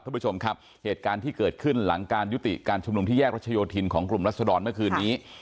ท่านผู้ชมครับเหตุการณ์ที่เกิดขึ้นหลังการยุติการชุมนุมที่แยกรัชโยธินของกลุ่มรัศดรเมื่อคืนนี้